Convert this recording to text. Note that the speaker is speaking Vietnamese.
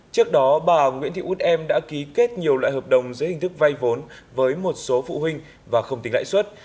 trước đó bà nguyễn thị út em đã ký kết nhiều loại hợp đồng dưới hình thức vay vốn với một số phụ huynh và không tính lãi suất